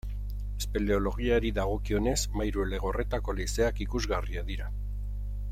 Espeleologiari dagokionez, Mairuelegorretako leizeak ikusgarriak dira.